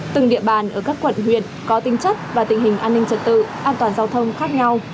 từng địa bàn ở các quận huyện có tính chất và tình hình an ninh trật tự an toàn giao thông khác nhau